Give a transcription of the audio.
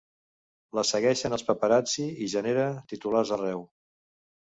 La segueixen els paparazzi i genera titulars arreu.